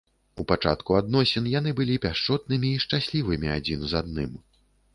У пачатку адносін яны былі пяшчотнымі і шчаслівымі адзін з адным.